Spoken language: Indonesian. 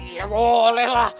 iya boleh lah